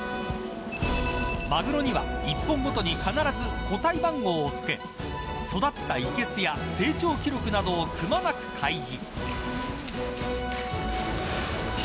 マグロにはに１本ごとに必ず個体番号を付け育ったいけすや成長記録などをくまなく開示。